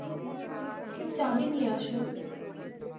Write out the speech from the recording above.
কেউ চাবি নিয়ে আসুন।